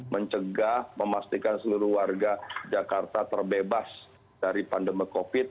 mencengah memastikan seluruh warga jakarta terbebas dari pandemi covid